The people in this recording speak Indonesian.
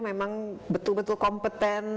memang betul betul kompeten